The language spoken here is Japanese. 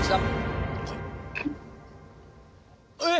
えっ？